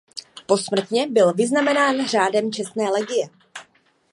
Posmrtně byl vyznamenán Řádem čestné legie.